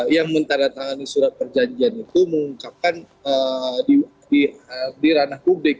yang mentaratangani surat perjanjian itu mengungkapkan di ranah publik